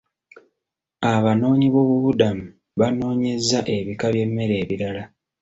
Abanoonyi b'obubudamu baanoonyezza ebika by'emmere ebirala.